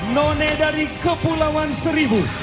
none dari kepulauan seribu